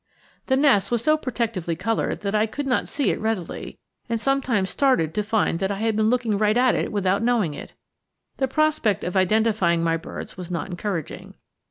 The nest was so protectively colored that I could not see it readily, and sometimes started to find that I had been looking right at it without knowing it. The prospect of identifying my birds was not encouraging.